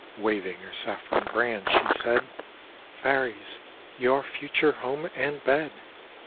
Waving her saffron brand, she said: 'Fairies! your future home and bed!'